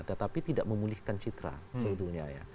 tetapi tidak memulihkan citra seudahnya